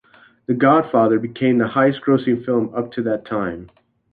"The Godfather" became the highest-grossing film up to that time.